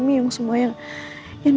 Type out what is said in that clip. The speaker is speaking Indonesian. semua yang disini sayang sama mama